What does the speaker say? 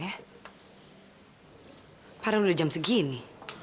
eh pada udah jam segini